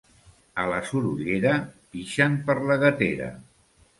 A la Sorollera, pixen per la gatera.